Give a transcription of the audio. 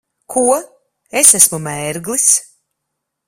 Ko? Es esmu mērglis?